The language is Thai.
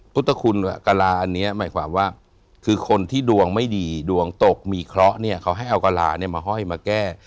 พุทธคุณกะลาอันนี้หมายความว่าคือคนที่ดวงไม่ดีดวงตกมีเคราะห์เนี่ยเขาให้เอากะลาเนี่ยมาห้อยมาแก้